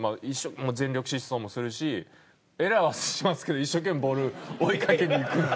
全力疾走もするしエラーはしますけど一生懸命ボール追いかけに行くので。